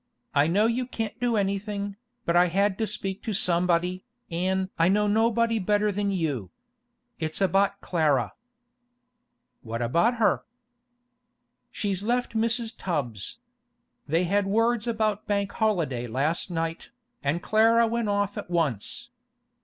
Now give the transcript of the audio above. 'I know you can't do anything, but I had to speak to somebody, an' I know nobody better than you. It's about Clara.' 'What about her?' 'She's left Mrs. Tubbs. They had words about Bank holiday last night, an' Clara went off at once.